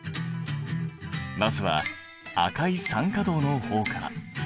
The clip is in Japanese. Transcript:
まずは赤い酸化銅の方から。